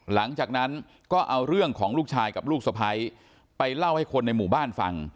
หลังจากนั้นก็เอาเรื่องของลูกชายกับลูกสะพ้ายไปเล่าให้คนในหมู่บ้านฟัง